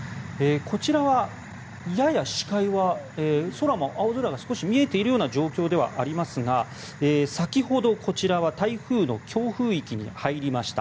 こちらはやや視界は空も青空が少し見えているような状況ではありますが先ほど、こちらは台風の強風域に入りました。